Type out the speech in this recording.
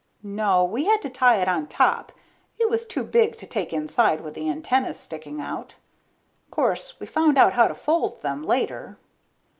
No, we had to tie it on top, it was too big to take inside with the antennas sticking out. Course, we found out how to fold them later.